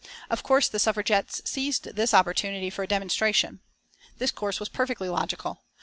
Of course the Suffragettes seized this opportunity for a demonstration. This course was perfectly logical.